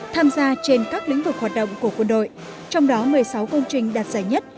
tham gia trên các lĩnh vực hoạt động của quân đội trong đó một mươi sáu công trình đạt giải nhất